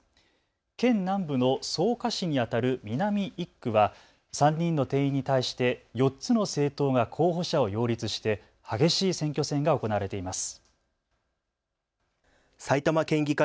県南部の草加市にあたる南１区は３人の定員に対して４つの政党が候補者を擁立して激しい選挙戦が行われています。